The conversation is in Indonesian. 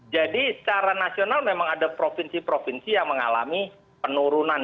jadi secara nasional memang ada provinsi provinsi yang mengalami penurunan